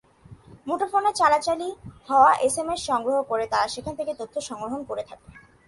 মুঠোফোনে চালাচালি হওয়া এসএমএস সংগ্রহ করে তারা সেখান থেকে তথ্য সংরক্ষণ করে থাকে।